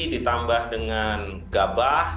ditambah dengan gabah